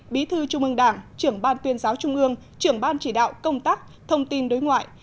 bí thư trung ương đảng trưởng ban tuyên giáo trung ương trưởng ban chỉ đạo công tác thông tin đối ngoại